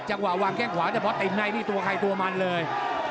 จังหวะวางแข้งขวาแต่พอติดในนี่ตัวใครตัวมันเลย